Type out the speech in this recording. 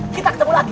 kita ketemu lagi